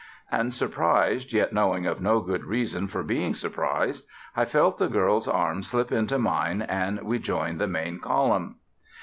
And, surprised, yet knowing of no good reason for being surprised, I felt the girl's arm slip into mine, and we joined the main column....